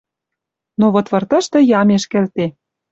Но вот выртышты ямеш кӹлте.